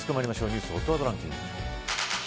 ニュースＨＯＴワードランキング